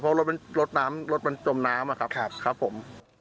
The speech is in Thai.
เพราะรถมันจมน้ำครับครับ